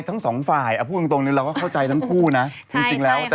แต่พอวันหนึ่งมันเลิกกันที่มา